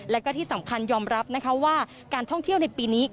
และก็ที่สำคัญยอมรับนะคะว่าการท่องเที่ยวในปีนี้